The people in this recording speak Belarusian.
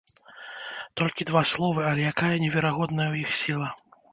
Толькі два словы, але якая неверагодная ў іх сіла!